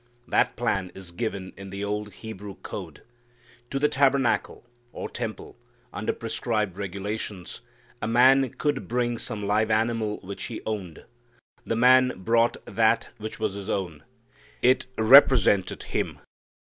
That plan is given in the old Hebrew code. To the tabernacle, or temple, under prescribed regulations, a man could bring some live animal which he owned. The man brought that which was his own. It represented him.